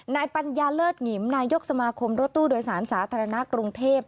ปัญญาเลิศหงิมนายกสมาคมรถตู้โดยสารสาธารณะกรุงเทพ